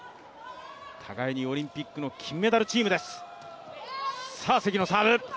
互いにオリンピックの金メダルチームです。